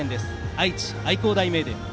愛知・愛工大名電。